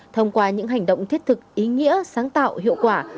thông qua những hành động thiết thực ý nghĩa sáng tạo hiệu quả